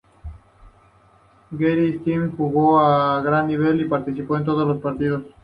Gary Stevens jugó a gran nivel y participó en todos los partidos.